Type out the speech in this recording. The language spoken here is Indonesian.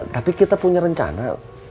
tapi kita punya rencana